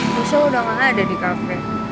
nusra udah gak ada di cafe